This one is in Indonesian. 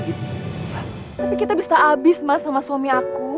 tapi kita bisa habis mas sama suami aku